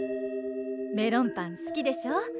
メロンパン好きでしょ？